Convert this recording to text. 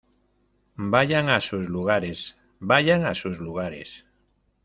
¡ Vayan a sus lugares! ¡ vayan a sus lugares !